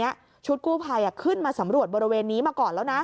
เมื่อชุดกู้ไพยขึ้นมาสำรวจบริเวณนี้มาก่อน